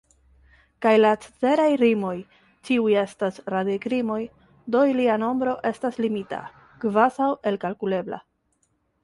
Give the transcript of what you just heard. Kaj la ceteraj rimoj ĉiuj estas radikrimoj, do ilia nombro estas limita, kvazaŭ elkalkulebla.